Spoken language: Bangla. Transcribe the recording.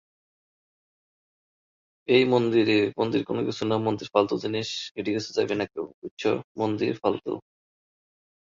এই মন্দিরের প্রধান উপাস্য দেবতা হলেন রামেশ্বর শিব।